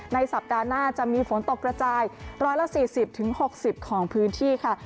สัปดาห์หน้าจะมีฝนตกกระจาย๑๔๐๖๐ของพื้นที่ค่ะ